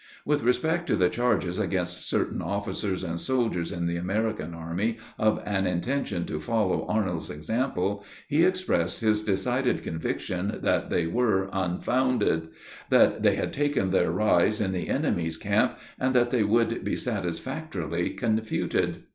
With respect to the charges against certain officers and soldiers in the American army of an intention to follow Arnold's example, he expressed his decided conviction that they were unfounded; that they had taken their rise in the enemy's camp, and that they would be satisfactorily confuted.